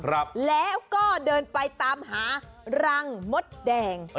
ครับแล้วก็เดินไปตามหารังมดแดง